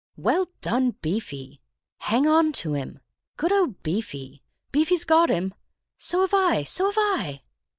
"Well done, Beefy!" "Hang on to him!" "Good old Beefy!" "Beefy's got him!" "So have I—so have I!"